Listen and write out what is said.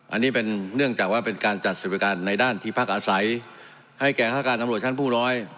อันนี้เป็นเนื่องจากว่าเป็นการจัดสวัสดิการในด้านที่พักอาศัยให้แก่ฆาตการตำรวจชั้นผู้ร้อย